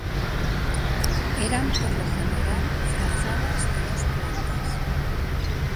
Eran por lo general frazadas de dos plazas.